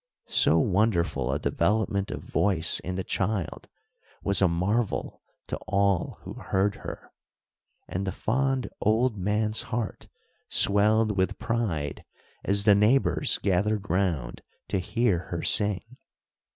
So wonderful a development of voice in the child was a marvel to all who heard her, and the fond old man's heart swelled with pride as the neighbors gathered round to hear her sing.